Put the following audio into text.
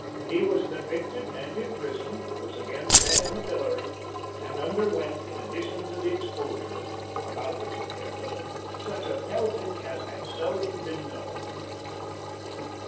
He was convicted and imprisoned, was again set in the pillory, and underwent, in addition to the exposure, about which he cared little, such a pelting as had seldom been known.